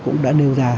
cũng đã nêu ra